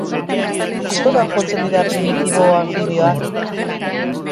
Askotan jotzen dira primitibo anfibioak.